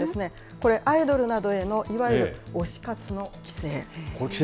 これ、アイドルなどへのいわゆる推し活の規制。